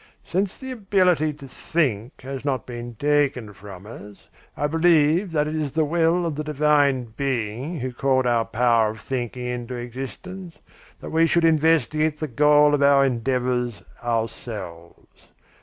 Since the ability to think has not been taken from us, I believe that it is the will of the divine being who called our power of thinking into existence that we should investigate the goal of our endeavours ourselves.